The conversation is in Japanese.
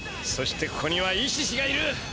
そしてここにはイシシがいる。